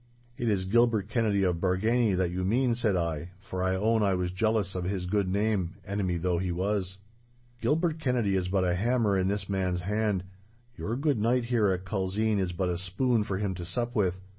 'It is Gilbert Kennedy of Bargany that you mean,' said I, for I own I was jealous of his good name, enemy though he was. 'Gilbert Kennedy is but a hammer in this man's hand. Your good knight here at Culzean is but a spoon for him to sup with.